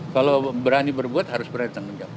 kalau berani berbuat harus berani tanggung jawab